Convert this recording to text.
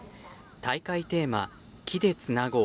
大会テーマ「木でつなごう